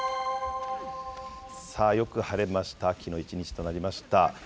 よく晴れました、秋の一日となりました。